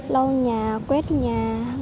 lau nhà quét nhà